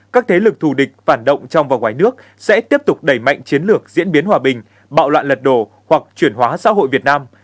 các thế lực thù địch phản động trong và ngoài nước sẽ tiếp tục đẩy mạnh chiến lược diễn biến hòa bình bạo loạn lật đồ hoặc chuyển hóa xã hội việt nam